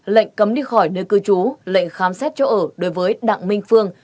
lệnh cấm đi khỏi nơi cư trú lệnh khám xét chỗ ở đối với đặng minh phương